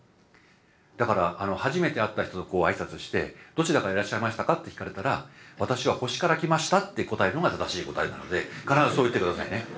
だから初めて会った人と挨拶して「どちらからいらっしゃいましたか？」って聞かれたら「私は星から来ました」って答えるのが正しい答えなので必ずそう言って下さいね。